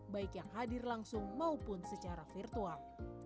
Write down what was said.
baik yang hadir langsung maupun secara virtual